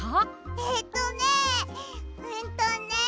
えっとねえんとねえ。